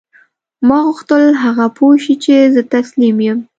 ما غوښتل هغه پوه شي چې زه تسلیم یم